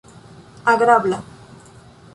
agrabla